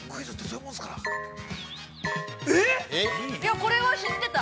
◆これは知ってた。